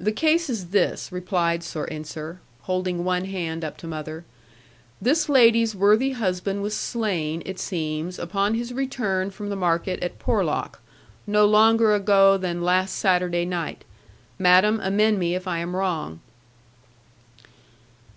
'The case is this,' replied Sir Ensor, holding one hand up to mother: 'This lady's worthy husband was slain, it seems, upon his return from the market at Porlock, no longer ago than last Saturday night. Madam, amend me if I am wrong.'